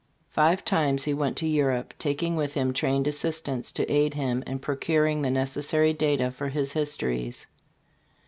Five times he went to Europe, taking with him trained assistants to aid him in procuring the necessary data for his histories.